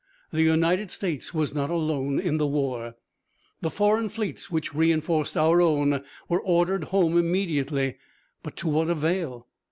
The United States was not alone in the war! The foreign fleets which reinforced our own were ordered home immediately. But to what avail?